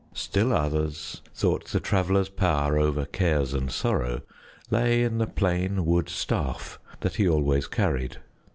Still others thought the Traveler's power over cares and sorrow lay in the plain wood staff he always carried.